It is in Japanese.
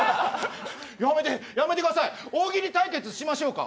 やめてやめてください、大喜利対決しましょうか。